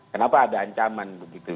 kenapa ada ancaman begitu